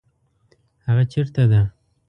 هغه چیرته ده؟